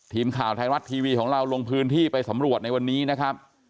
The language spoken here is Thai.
ทีมข่าวไทยรัฐทีวีของเราลงพื้นที่ไปสำรวจในวันนี้นะครับ